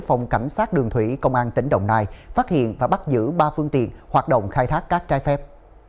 phòng cảnh sát đường thủy công an tỉnh đồng nai phát hiện và bắt giữ ba phương tiện hoạt động khai thác cát trái phép